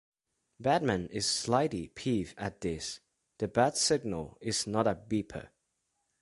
Batman is slightly peeved at this: "The Bat-Signal is not a beeper".